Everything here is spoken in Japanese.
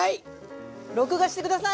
録画して下さい！